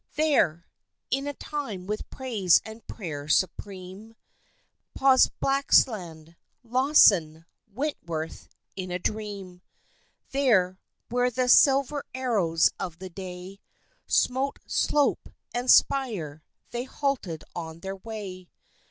There, in a time with praise and prayer supreme, Paused Blaxland, Lawson, Wentworth, in a dream; There, where the silver arrows of the day Smote slope and spire, they halted on their way.